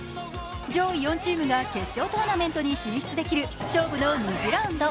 上位４チームが決勝トーナメントニ進出できる勝負の２次ラウンド。